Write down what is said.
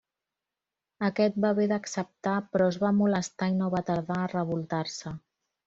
Aquest va haver d'acceptar però es va molestar i no va tardar a revoltar-se.